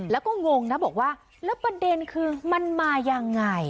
แล้วก็งงนะบอกว่าแล้วประเด็นคือมันมายังไง